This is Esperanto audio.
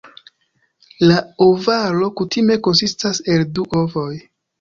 La ovaro kutime konsistas el du ovoj.